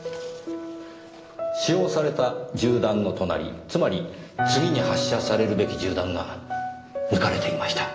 使用された銃弾の隣つまり次に発射されるべき銃弾が抜かれていました。